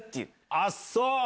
あっそう！